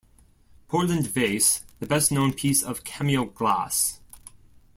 Portland Vase, the best known piece of cameo glass.